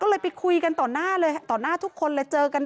ก็เลยไปคุยกันต่อหน้าใช่ไหม